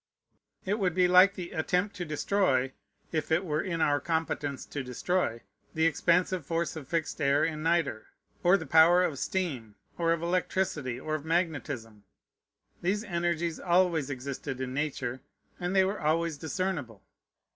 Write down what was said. It would be like the attempt to destroy (if it were in our competence to destroy) the expansive force of fixed air in nitre, or the power of steam, or of electricity, or of magnetism. These energies always existed in Nature, and they were always discernible.